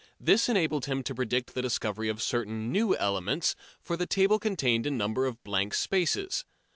This enabled him to predict the discovery of certain new elements, for the table contained a number of blank spaces.